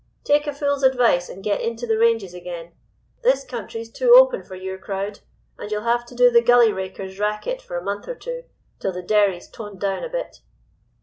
Take a fool's advice, and get into the ranges again. This country's too open for your crowd, and you'll have to do the gully raker's racket for a month or two, till the "derry's" toned down a bit.